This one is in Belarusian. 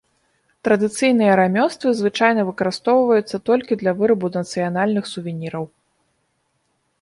Традыцыйныя рамёствы звычайна выкарыстоўваюцца толькі для вырабу нацыянальных сувеніраў.